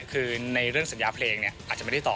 คือในเรื่องสัญญาเพลงอาจจะไม่ได้ตอบ